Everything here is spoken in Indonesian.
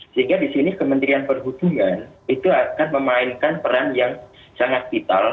sehingga di sini kementerian perhubungan itu akan memainkan peran yang sangat vital